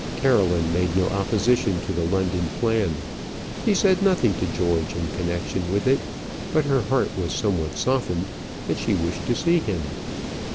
Caroline made no opposition to the London plan. She said nothing about George in connection with it; but her heart was somewhat softened, and she wished to see him.